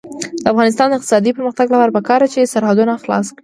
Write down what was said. د افغانستان د اقتصادي پرمختګ لپاره پکار ده چې سرحدونه خلاص وي.